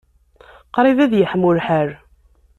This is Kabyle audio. Qrib ad yeḥmu lḥal.